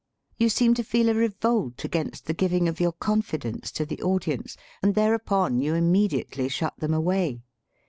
You seem to feel a revolt against the giving of your confidence to the audience, and thereupon you immediately shut them away.